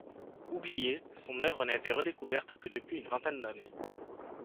Oubliée, son œuvre n'a été redécouverte que depuis une vingtaine d'années.